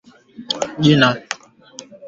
Bilashi biri katala ku toka mwaka jana